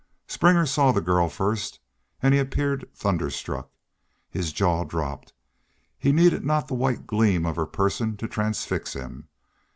Springer saw the girl first and he appeared thunderstruck. His jaw dropped. He needed not the white gleam of her person to transfix him.